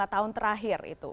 lima tahun terakhir itu